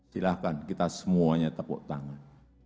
silahkan kita semuanya tepuk tangan